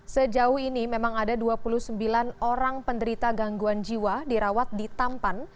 sejauh ini memang ada dua puluh sembilan orang penderita gangguan jiwa dirawat di tampan